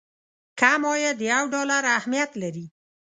کم عاید یو ډالر اهميت لري.